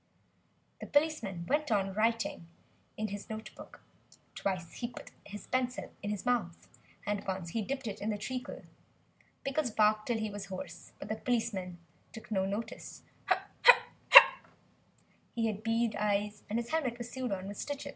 The policeman went on writing in his notebook; twice he put his pencil in his mouth, and once he dipped it in the treacle. Pickles barked till he was hoarse. But still the policeman took no notice. He had bead eyes, and his helmet was sewed on with stitches.